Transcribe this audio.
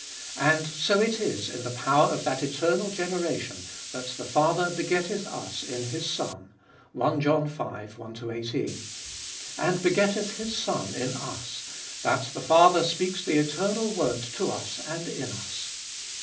And so it is in the power of that eternal generation that the Father begetteth us in His Son (i John v. 1 18), and begetteth His Son in us ; that the Father speaks the eternal Word to us and in us.